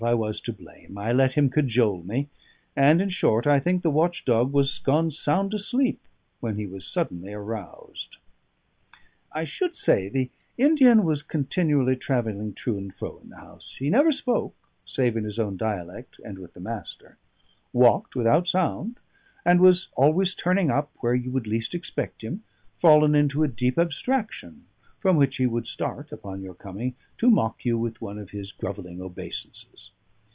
I was to blame; I let him cajole me, and, in short, I think the watch dog was gone sound asleep, when he was suddenly aroused. I should say the Indian was continually travelling to and fro in the house. He never spoke, save in his own dialect and with the Master; walked without sound; and was always turning up where you would least expect him, fallen into a deep abstraction, from which he would start (upon your coming) to mock you with one of his grovelling obeisances.